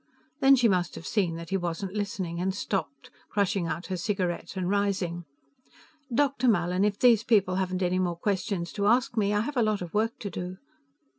Then she must have seen that he wasn't listening, and stopped, crushing out her cigarette and rising. "Dr. Mallin, if these people haven't any more questions to ask me, I have a lot of work to do."